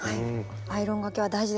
アイロンがけは大事ですね。